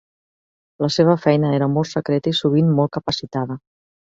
La seva feina era molt secreta i sovint molt capacitada.